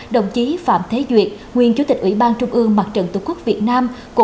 đồng chí phạm thế duyệt nguyên chủ tịch ủy ban trung ương mặt trận tổ quốc việt nam